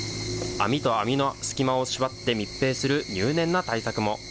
網と網の隙間を縛って密閉する入念な対策も。